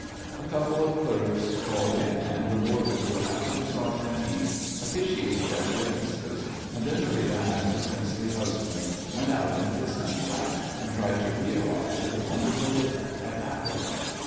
A couple of clerks, called in, and rewarded with half a sovereign each, officiated as witnesses, and then Maria and her princely husband went out into the sunshine and tried to realize that the wonderful event had happened.